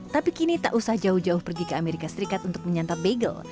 tapi kini tak usah jauh jauh pergi ke amerika serikat untuk menyantap bagel